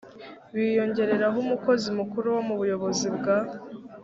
biyongeraho umukozi mukuru wo mu buyobozi bwa